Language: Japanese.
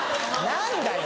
何だよ